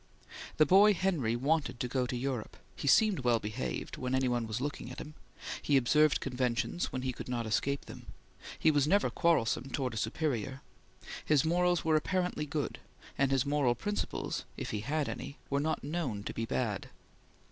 The boy Henry wanted to go to Europe; he seemed well behaved, when any one was looking at him; he observed conventions, when he could not escape them; he was never quarrelsome, towards a superior; his morals were apparently good, and his moral principles, if he had any, were not known to be bad.